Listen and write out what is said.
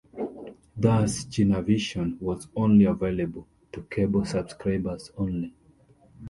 Thus Chinavision was only available to cable subscribers only.